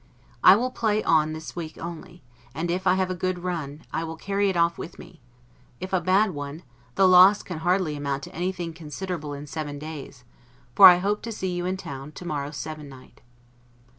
I will play on this week only; and if I have a good run, I will carry it off with me; if a bad one, the loss can hardly amount to anything considerable in seven days, for I hope to see you in town to morrow sevennight.